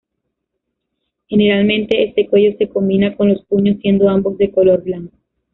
Generalmente, este cuello se combinaba con los puños siendo ambos de color blanco.